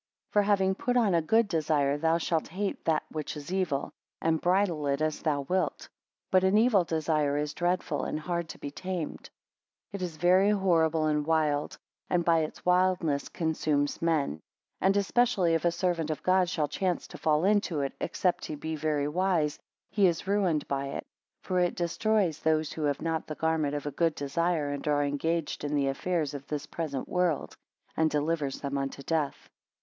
For having put on a good desire, thou shalt hate that which is evil, and bridle it as thou wilt. But an evil desire is dreadful, and hard to be tamed. 2 It is very horrible and wild; and by its wildness consumes men. And especially if a servant of God shall chance to fall into it, except he be very wise, he is ruined by it. For it destroys those who have not the garment of a good desire and are engaged in the affairs of this present world; and delivers them unto death.